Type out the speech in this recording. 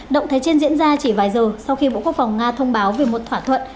động thái trên diễn ra chỉ vài giờ sau khi bộ quốc phòng nga thông báo về một thỏa thuận